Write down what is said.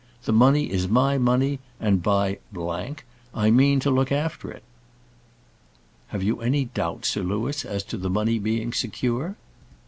The money is my money; and, by , I mean to look after it." "Have you any doubt, Sir Louis, as to the money being secure?"